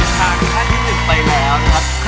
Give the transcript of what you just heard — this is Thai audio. จากขั้นที่๑ไปแล้วครับ